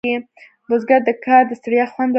بزګر ته د کار د ستړیا خوند ورکړي